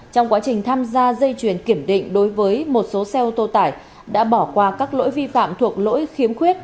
trong quá trình tham gia dây chuyền kiểm định đối với một số xe ô tô tải đã bỏ qua các lỗi vi phạm thuộc lỗi khiếm khuyết